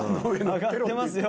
揚がってますよ。